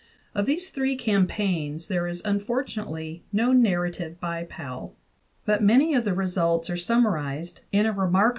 Of these three campaigns there is unfortunately no narrative by Powell ;* but many of the results are summarized in a re * F.